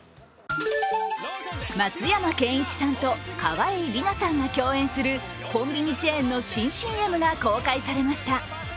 松山ケンイチさんと川栄李奈さんが共演するコンビニチェーンの新ＣＭが公開されました。